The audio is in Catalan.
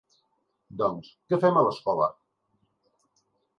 Doncs, què fem a l’escola…?